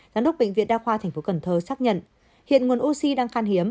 giám đốc bệnh viện đa khoa tp cần thơ xác nhận hiện nguồn oxy đang khan hiếm